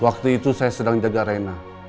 waktu itu saya sedang jaga arena